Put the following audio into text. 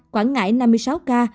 quảng ngãi năm mươi sáu ca